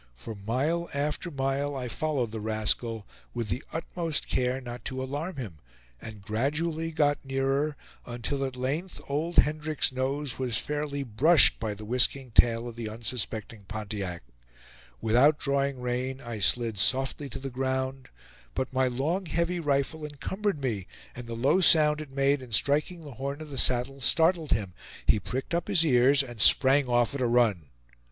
For mile after mile I followed the rascal, with the utmost care not to alarm him, and gradually got nearer, until at length old Hendrick's nose was fairly brushed by the whisking tail of the unsuspecting Pontiac. Without drawing rein, I slid softly to the ground; but my long heavy rifle encumbered me, and the low sound it made in striking the horn of the saddle startled him; he pricked up his ears, and sprang off at a run.